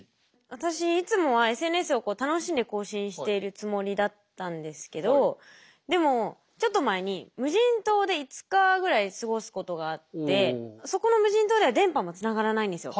私いつもはＳＮＳを楽しんで更新しているつもりだったんですけどでもちょっと前にそこの無人島では電波もつながらないんですよ。